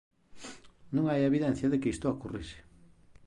Non hai evidencia de que isto ocorrese.